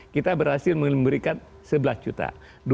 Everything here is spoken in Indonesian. kita berhasil memberikan sebelas juta